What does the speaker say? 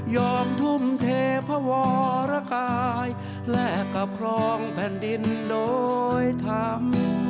ทุ่มเทพระวรกายแลกกับครองแผ่นดินโดยธรรม